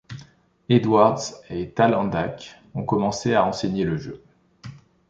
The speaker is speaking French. Edwards et Tal-Handaq ont commencé à enseigner le jeu.